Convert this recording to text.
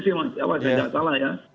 saya tidak salah ya